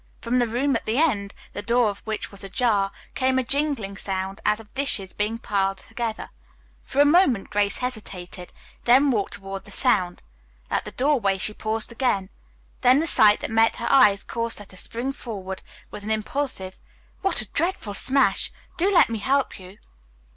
From the room at the end, the door of which was ajar, came a jingling sound as of dishes being piled together. For a moment Grace hesitated, then walked toward the sound. At the doorway she paused again; then the sight that met her eyes caused her to spring forward with an impulsive, "What a dreadful smash! Do let me help you."